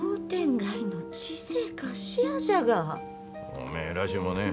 おめえらしゅうもねえ。